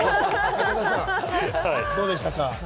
武田さん、どうでしたか？